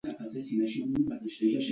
د کلام الله مجید د څو آیتونو قرائت وشو.